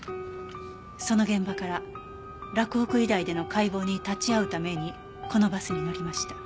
その現場から洛北医大での解剖に立ち会うためにこのバスに乗りました。